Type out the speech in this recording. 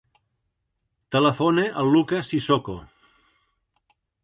Telefona al Luka Sissoko.